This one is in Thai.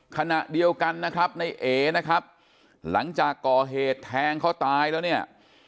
ขณะเดียวกันนะครับในเอนะครับหลังจากก่อเหตุแทงเขาตายแล้วเนี่ย